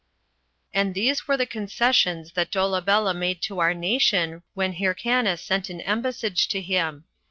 And these were the concessions that Dolabella made to our nation when Hyrcanus sent an embassage to him.